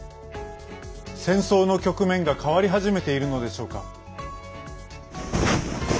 戦争の局面が変わり始めているのでしょうか。